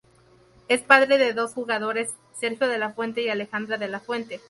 Es padre de dos jugadores, Sergio de la Fuente y Alejandra de la Fuente.